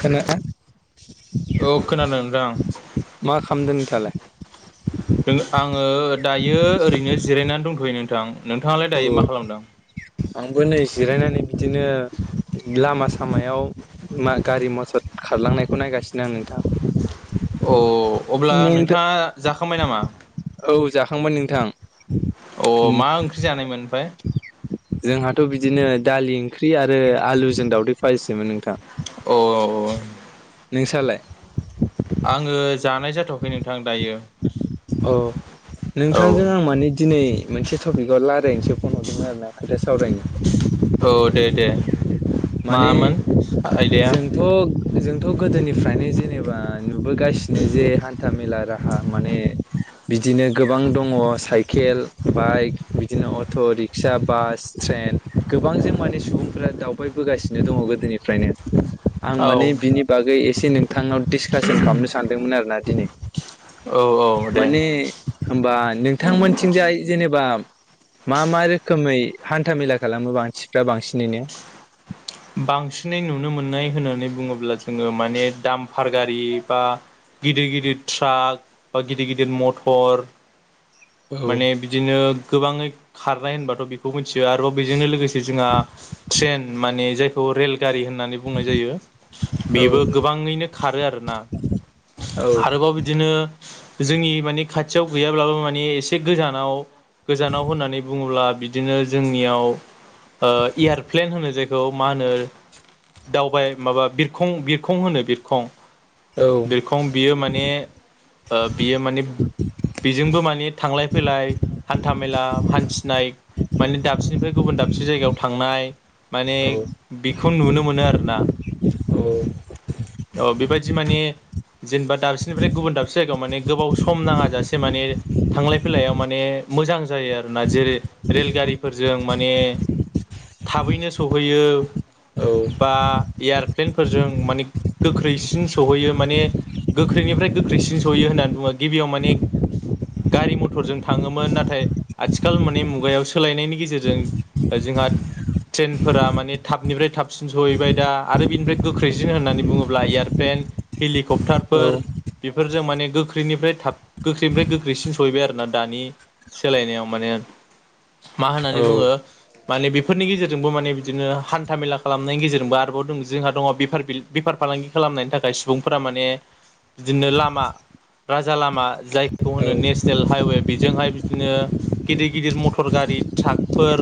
खोनादों औ खोनादों नोंथां मा खालामदों नोंथाङा? आङो दायो ओरैनो जिरायनानै दंथ'यो नों थां। नोंथाङालाय औ दायो मा खालामदों? आंबो नै जिरायनानै बिदिनो लामा सामायाव मा गारि-मथर खारलांनायखौ नायगासिनो दं नोंथां। औ अब्ला नोंथां नोंथाङा जाखांबाय नामा? औ जाखांबाय नोंथां। अ मा ओंख्रि जानायमोन ओमफ्राय जोंहाथ' बिदिनो दालि ओंख्रि आरो आलुजों दावदै फाजिसोमोन नोंथां। औ औ नोंस्रालाय? आङो जानाय जाथ'वाखै नोंथां दायो औ औ नोंथांजों आं माने दिनै मोनसे टपिकआव रायज्लायनोसो फन हरदों आरो ना खोथा सावरायनो। औ दे दे माने मामोन आयदाया जोंथ' जोंथ' गोदोनिफ्रायनो जेनेबा नुबोगासिनो जे हान्था- मेला राहा माने बिदिनो गोबां दङ- साइकेल, बाइक बिदिनो अट' रिक्सा, बास, ट्रेन गोबांजों माने सुबुंफोरा दाउ बायबोगासिनो दङ गोदोनिफ्रायनो आं औ माने बिनि बागै ए से नोंथांनाव डिसकासन खालामनो सानदोंमोन आरोना दिनै। औ औ दे माने होमबा नोंथांमोनथिंजाय जेनेबा मा मा रोखोमै हान्थामेला खालामो बांसिफ्रा बांसिनैनो? बांसिनै नुनो मोननाय होननानै बुंङोब्ला जोङो माने दामफार गारि बा गिदिर गिदिर ट्राक बा गिदिर गिदिर मथर माने औ बिदिनो गोबाङै खारनाय होनबाथ' बिखौ मिथियो आरोबाव बेजोंनो लोगोसे जोंहा ट्रेन माने जायखौ रेल गारि होननानै बुंनाय जायो औ बेबो गोबाङैनो खारो आरोना औ आरोबाव बिदिनो जोंनि माने खाथियाव गैयाब्लाबो माने एसे गोजानाव गोजानाव होननानै बुंङोब्ला बिदिनो जोंनियाव ओ एयारप्लेन होनो जायखौ मा होनो दावबाय माबा बिरखं-बिरखं होनो बिरखं‌ बिरखं बियो माने ओ बियो माने बिजोंबो माने थांलाय फैलाय हान्था मेला हान्थिनाय माने दाबसेनिफ्राय गुबुन दाबसे जायगायाव थांनाय माने औ बिखौ नुनो मोनो आरो ना, औ औ बिबायाददि माने जेनेबा दाबसेनिफ्राय गुबुन दाबसे जायगायाव माने गोबाव सम नाङाजासे माने थांलाय फैलायाव माने मोजां जायो आरोना जेरै रेलगारिफोरजों माने थाबैनो सहैयो औ। बा एयारप्लेनफोरजों माने गोख्रैसिन सहैयो माने गोख्रैनिफ्राय गोख्रैसिन सहयो होननानै बुंङो गिबियाव माने गारि मथरजों थांङोमोन नाथाय आथिखाल माने मुगायाव सोलायनायनि गेजेरजों जोंहा ट्रेनफोरा माने थाबनिफ्राय थाबसिन सहैबाय दा आरो बिनिफ्राय गोख्रैसिन होननानै बुङोब्ला एयारप्लेन, हेलिकप् टार औ औ फोर बि फोरजों माने गोख्रैनिफ्राय थाब गोख्रैनिफ्राय गोख्रैसिन सहैबाय आरो ना दानि सोलायनायाव माने [inaudible] मा होननानै बुङो माने बेफोरनि गेजेरजोंबो माने बिदिनो हान्था मेला खालामनायनि गेजेरजोंबो आरोबाव दं जोंहा दङ बिफार बिल बिफार फालांगि खालामनायनि थाखाय सुबुंफोरा माने बिदिनो लामा राजा लामा जायखौ होनो नेसनेल हाइवे बेजोंहाय बिदिनो गिदिर गिदिर मटर गा रि ट्राखफोर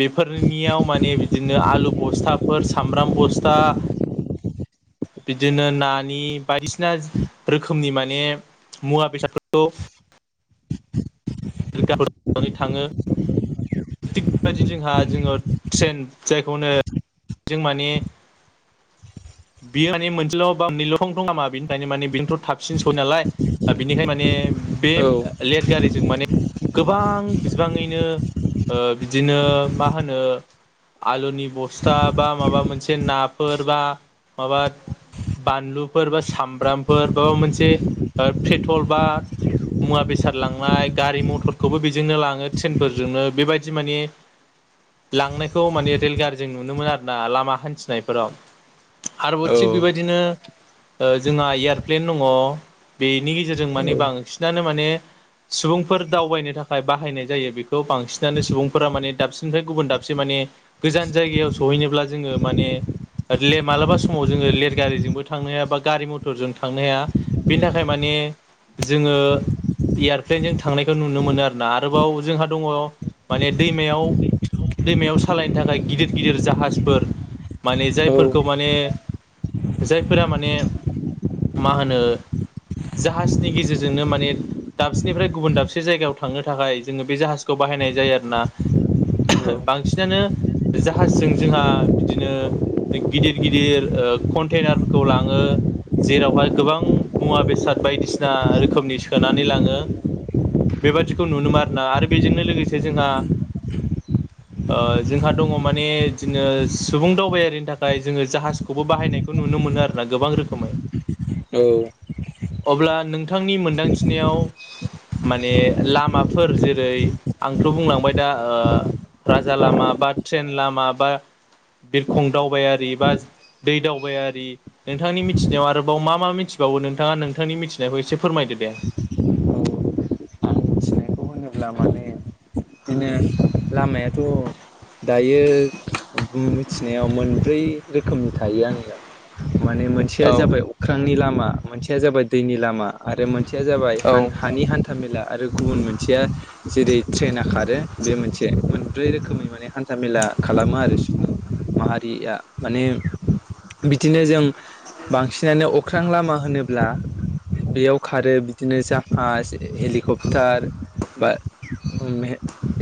बिफोरनियाव माने बिदिनो आल लु बस्थाफोर, सामब्राम बस्था बिदिनो नानि बायदिसिना रोखोमनि माने मुआ बेसादफोरखौ [unintelligible] थाङो। थिग बेबायदि जोंहा जोङो ट्रेन जायखौनो जों माने [inaudible] बियो माने मोनसेल' बा मोननैल'खंथं नामा बिनिखनो माने बिनोथ' थाबसिन सय नालाय बिनिखायनो माने बे लेर गारिजों माने गोबां बिबाङैनो ओ बिदिनो मा होनो आलुनि बस्था बा माबा मोनसे नाफोर बा माबा बानलुफोर बा सामब्रामफोर बाबा मोनसे पेटल बा मुवा बेसाद लांनाय गारि मथरखौबो बिजोंनो लाङो ट्रेनफोरजोंनो बेबायदि माने लांनायखौ माने रेलगारि जों नुनो मोनो आरोना लामा हान्थिनायफोराव आरोबाव औ थिग बेबायदिनो ओ जोंहा एयारप्लेन दङ बेनि गेजेरजों आं माने बांसिनानो माने सुबुंफोर दावबायनो थाखाय बाहायनाय जायो बेखौ बांसिनानो सुबुंफोरा माने दाबसेनिफ्राय गुबुन दाबसे माने ने गोजान जायगायाव सहैनोब्ला जोङो माने ले मालाबा समाव जोङो लेर गारिजोंबो थांनो हाया बा गारि मथरजों थांनो हाया बेनि थाखाय माने- जोङो एयारप्लेनजों थांनायखौ नुनो मोनो आरो ना आरोबाव जोंहा दङ माने दैमायाव दैमायाव सालायनो थाखाय गिदिर गिदिर जाहाजफोर माने जायफोरखौ माने- जायफोरा माने मा होनो जाहाजनि गेजेरजोंनो माने दाबसेनिफ्राय गुबुन दाबसे जायगायाव थांनो थाखाय जोङो बे जाहाजखौ बा बाहायनाय जायो आरोना बांसिनानो- जाहाजजों जोंहा बिदिनो गिदिर गिदिर कन्टेनारफोरखौ लाङो जेरावहाय गोबां मुवा बेसाद बायदिसिना रोखोमनि सोनानै लाङो बेबादिखौ नुनो मोना आरोना आरो बेजोंनो लोगोसे ओ जोंहा जोंहा दङ माने जोङो सुबुं दावबायारिनि थाखाय जोङो जाहाजखौबो बाहायनायखौ नुनो मोनो आरोना गोबां रोखोमै औ अब्ला नोंथांनि मोनदांथिनायाव माने लामाफोर जेरै आंथ' बुंलांबाय दा राजा लामा बाट ट्रेन लामाबा बिरखं दावबायारि बा दै दावबायारि नोंथांनि मिथिनायाव आरोबाव मा मा मिथि थबावो नोंथाङा नोंथांनि मिथिनायखौ एसे फोरमायदो दे। आं होनोब्ला माने लामायाथ' दायो ओम मिथिनायाव मोनब्रै रोखोमनि थायो आंनियाव माने मोनसेया औ जाबाय अख्रांनि लामा मोनसेया जाबाय दैनि लामा आरो मोन मोनसेया जाबाय औ हानि हान्थाामेला आरो गुबुन मोनसेया जेरै ट्रेना खारो बे मोनसे एसे मोनब्रै रोखोमै माने हान्था मेला खालामो आरो सुबुं माहारिया माने बिदिनो जों बांसिनानो अख्रां लामा होनोब्ला बेयाव खारो बिदिनो जाहाज हेलिकप्टार बा ओम मे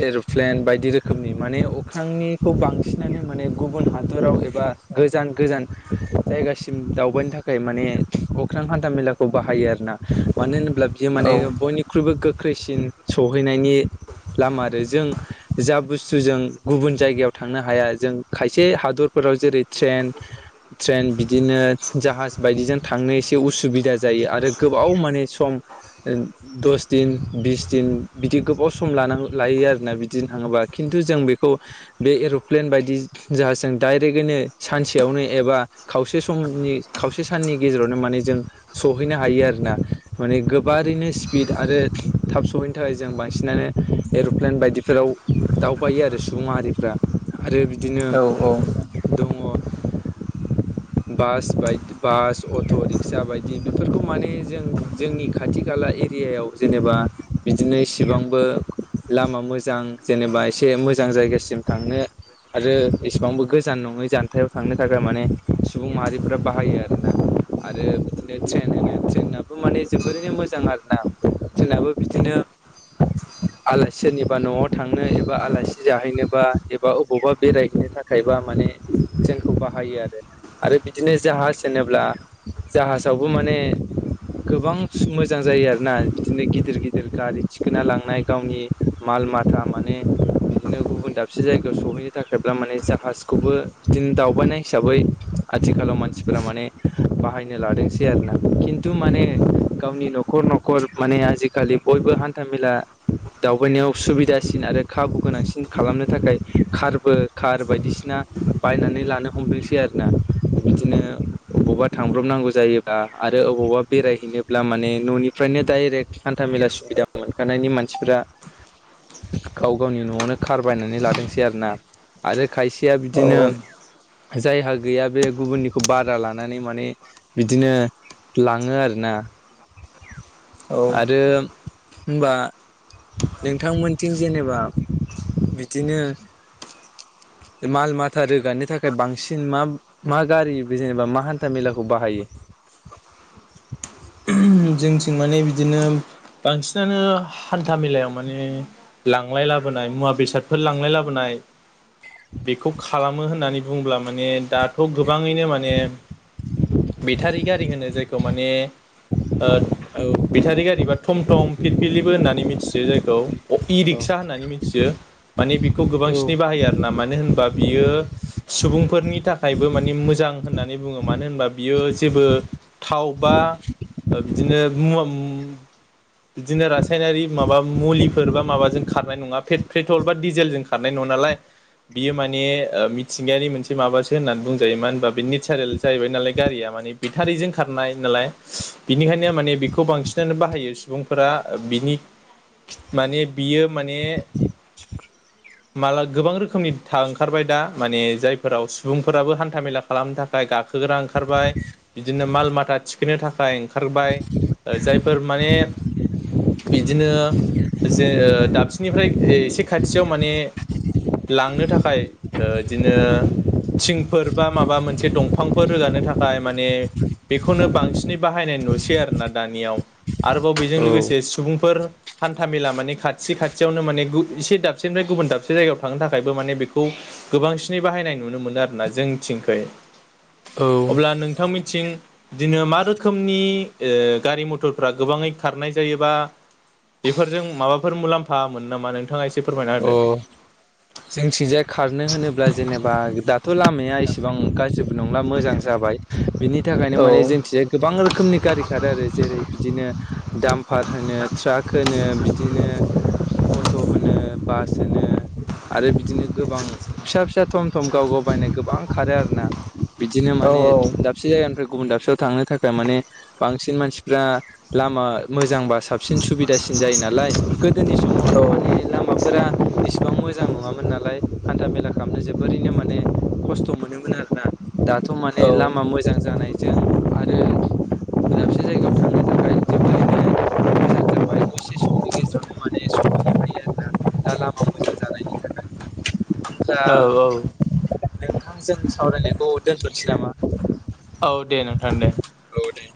एर प्लेन बायदि रोखोमनि माने अख्रांनिखौ बांसिनानो माने गुबुन हादराव एबा गोजान गोजान जायगासिम दावबायनो थाखाय माने अख्रां हान्था मेलाखौ बाहायो आरोना मानो होन अब्ला बियो औ माने बयनिख्रुइबो गोख्रैसिन सहैनायनि लामा आरो जों- जा बुस्थु जों गुबुन जायगायाव थांनो हाया जों खायसे हादरफोराव जेरै ट्रेन ट्रेन बिदिनो जाहाज बायदिजों थांनो एसे उसुबिदा जायो आरो गोबाव माने सम दस दिन बिस दिन बिदि गोबाव सम लानांगौ लायो आरोना बि दिनो थाङोबा खिन्थु जों बेखौ बे एर'प्लेन बायदि जाह जों दडाइरेक्टैनो सानसेयाव नो एबा खावसे समनि खावसे साननि गेजेरावनो माने जों सौहैनो हायो आरोना- माने गोबारैनो स्पिड आरो थाब सहैनो थाखाय जों बांसिनानो एर'प्लेन बायदि फोराव दावबायो आरो सुबुंमाहारिफ्रा आरो बिदिनो औ दं अ बास बायदि बास अट' रिक्सा बायदि बेफोरखौ माने जों जोंनि खाथि खाला ए- एआइयाायाव जेनेबा बिदिनो इसेबांबो मोजां जेनेबा एसे मोजां जायगासिम थांनो आरो एसेबांबो गोजान नङै जानथायाव थांनो थाखाय माने सुबुं माहारिफोरा बाहायो आरोना आरो बिदिनो ट्रेन होनो ट्रेनाबो माने जोबोरैनो मोजां आरोना ट्रेनाबो बिदिनो आलासिनि एाबा न'आव थांनो एबा जोंखौ बाहायो आरो आरो बिदिनो जाहाज होनोब्ला जाहाजावबो माने- गोबां मोजां जायो आरोना बिदिनो गिदिर गिदिर गारि थिखोना लांनाय गावनि माल माथा माने- बिदिनो गुबुन दाबसे जायगायाव सहैनो थाखायब्ला माने जाहाजखौबो बिदिनो दावबायनाय हिसाबै आथिखालाव मानसिफोरा माने बाहायनो लादोंसै आरोना खिन्थु माने गावनि न'खर न' खर माने आजिखालि बयबो हान्थामेला दावबायनायाव सुबिदासिन आरो खाबु गोनांसिन खालामनो थाखाय खारबो खार बायदिसिना बायनानै लानो हमदोंसै आरोना। बिदिनो बबावबा थांब्रबनांगौ जायोबा आरो अबावबा बेरायहैनोब्ला माने न'निफ्रायन नो डाइरेक्ट हान्थामेला सुबिदा मोनखानायनि मानसिफ्रा गाव गावनि न'आवनो खार बायनानै लादोंसै आरो ना आरो खायसेया औ बिदिनो जायहा गैया बे गुबुननिखौ बादा लानानै माने बिदिनो लाङो आरोना। आरो औ होनबा नोंथांमोनथिं जेनेबा बिदिनो माल माथा रोगानो थाखाय बांसिन मा मा गारि जेनेबा मा हान्था मेलाखौ बाहायो? [inaudible] जोंथिं माने बिदिनो बांसिनानो हान्था मेलायाव माने लांलाय लाबोनाय मुवा बेसादफोर लांलाय लाबोनाय बेखौ खालामो होननानै बुंब्ला माने दाथ' गो बाङैनो माने बेटारि गारि होनो जायखौ माने ओद औ बेटारि गारिबा थम थम फिरफिलिबो होननानै मिथियो जायखौ। इ रिक्सा होननानै मिथियो माने बेखौ औ गोबांसिनै बाहायो आरो ना मानो होनबा बियो सुबुंफोरनि थाखायबो माने मोजां होननानै बुङो मानो होनबा बियो जेबो थाव बा ओ बिदिनो मुवा मु बिदिनो रासायनारि माबा मुलिफोर बा माबाजों खारनाय नङा पे-पेट्रल बा डिजेलजों खारनाय नङा। नालाय बियो माने ओ मिथिंगायारि मोनसे माबासो होननानै बुंजायो मानो होनबा बे नेसारेल जाहैबाय नालाय गारिया। माने बिथारिजों खारनाय नालाय बिनिखायनो माने बेखौ बांसिनानो बाहायो सुबुंफोरा बिनि माने बियो माने [inaudible] माला गोबां रोखोमनि था ओंखारबाय दा माने जायफोराव सुबुंफोराबो खोग्रा ओंखारबाय बिदिनो माल माथा थिखोनो थाखाय ओंख खारबाय जायफोर माने बिदिनो जे ओ दाबसेनिफ्राय एसे खाथियाव माने लांनो थाखाय ओ इदिनो थिंफोर बा माबा मोनसे दंफांफोर रोगानो थाखाय माने बेखौनो बांसिनै बाहाय बाहायनाय नुसै आरोना दानियाव आरोबाव बेजों लोगोसे सुबुंफोर हान्था मेला माने खाथि खाथियावनो माने एसे दाबसेनिफ्राय गुबुन दाबसे जायगायाव थांनो थाखायबो माने बेखौ गोबांसिनै बाहायनाय नुनो मोनो आरोना जोंथिंखै। औ अब्ला नोंथांमोनथिं दिनै मा रोख खोमनि ओ गारि मथरफ्रा गोबाङै खारनाय जायोबा बेफोरजों माबाफोर मुलाम्फा मोनो नामा नोंथाङा एसे फोरमायना अ जोंथिंजाय खारनो होनोब्ला जेनेबा दा थ' लामाया इसेबां गाज्रिबो नंला मोजां जाबाय बिनि बेनि थाखायनो माने होदो। जोंथिया गोबां रोखोमनि गारि खारो आरो जेरै बिदिनो दाम पार होनो ट्राक होनो बिदिनो अट' होनो। बास होनो आरो बिदिनो गोबां फिसा फिसा थम थम गाव गाव बायनाय गोबां खारो आरो ना बिदिनो औ माने दाबसे जायगानिफ्राय गुबुन दाबसेयाव थांनो थाखाय माने बांसिन मानसिफ्रा लामा मोजां बास साबसिन सुबिदासिन जायो नालाय गोदोनि औ समावथ' माने लामाफोरा मोजां नङामोन नालाय हान्था मेला खालामनो जोबोरैनो माने खस्थ' मोनोमोन आरोना। दाथ' माने लामा औ मोजां जानाय जों आरो दाबसे जायगायाव थांनो थाखाय जोबोरैनो [inaudible] दसे समनि गेजेरावनो माने सम बारनो हायो आरोना। दा लामा मोजां जानायनि थाखाय। औ औ। नोंथां जों सावरायनायखौ दोनथ'नोसै नामा? औ दे नोंथां दे। औ दे